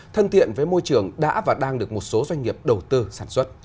thân thiện với môi trường đã và đang được một số doanh nghiệp đầu tư sản xuất